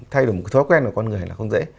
thay đổi một cái thói quen của con người là không dễ